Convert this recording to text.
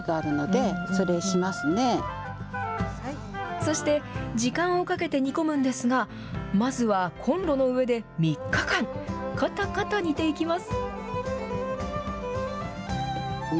そして、時間をかけて煮込むんですが、まずはコンロの上で３日間、ことこと煮ていきます。